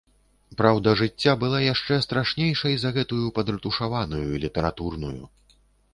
Праўда жыцця была яшчэ страшнейшай за гэтую падрэтушаваную, літаратурную.